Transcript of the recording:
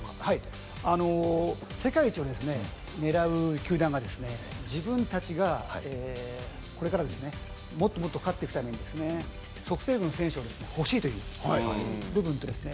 世界一を狙う球団が、自分たちがこれから、もっともっと勝っていくために即戦力の選手を欲しいということですね。